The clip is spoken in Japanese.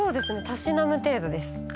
たしなむ程度です。